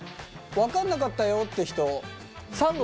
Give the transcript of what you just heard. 分かんなかったよって人？